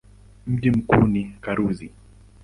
Mji mkuu ni Karuzi.